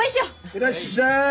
いらっしゃい！